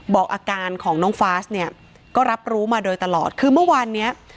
บอกอาการของน้องฟาสเนี่ยก็รับรู้มาโดยตลอดคือเมื่อวานเนี้ย